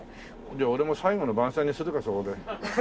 じゃあ俺も最後の晩餐にするかそこで。